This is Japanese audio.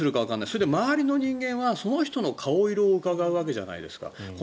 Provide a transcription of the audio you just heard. それで周りの人間はその人の顔色をうかがうわけじゃないですか。